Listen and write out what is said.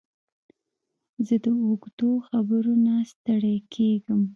زه د اوږدو خبرو نه ستړی کېږم.